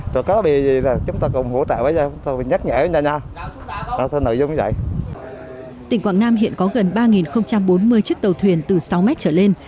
tỉnh quảng nam hiện có gần ba bốn mươi chiếc tàu thuyền từ sáu mét trở lên